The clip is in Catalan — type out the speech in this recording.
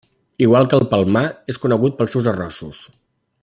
Igual que El Palmar, és conegut pels seus arrossos.